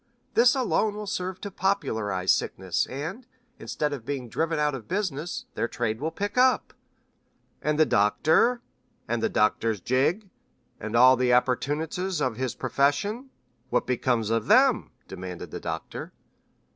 This alone will serve to popularize sickness, and, instead of being driven out of business, their trade will pick up." "And the doctor, and the doctor's gig, and all the appurtenances of his profession what becomes of them?" demanded the Doctor.